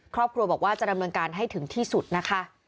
ครอบครัวบอกว่าจะดำเนินการให้ถึงที่สุดนะคะ